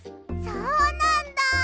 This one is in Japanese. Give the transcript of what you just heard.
そうなんだ。